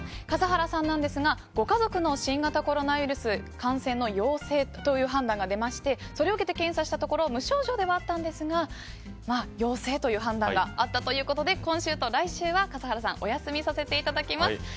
笠原さんなんですがご家族の新型コロナウイルス感染の陽性という判断が出ましてそれを受けて検査したところ無症状ではあったんですが陽性という判断があったということで今週と来週は笠原さんお休みさせていただきます。